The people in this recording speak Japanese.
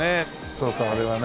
そうそうあれはね。